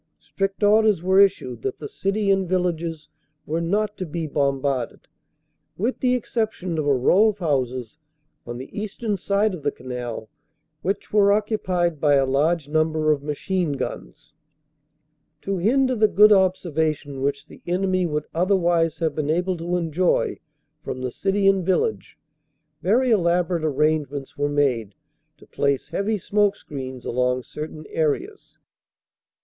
Strict orders were issued that the city and villages were not to be bombarded, with the exception of a row of houses on the eastern side of the Canal which were occupied by a large number of machine guns. To hinder the good observation which the enemy would otherwise have been able to enjoy from the city and village, very elaborate arrange ments were made to place heavy smoke screens along certain areas.